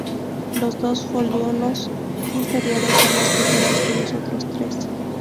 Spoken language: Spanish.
Los dos foliolos inferiores son más pequeños que los otros tres.